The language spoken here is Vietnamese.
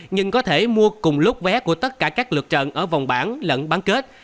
nhưng có thể mua cùng lúc vé của tất cả các lượt trận ở vòng bản lẫn bán kết